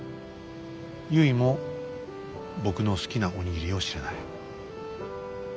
ゆいも僕の好きなお握りを知らない。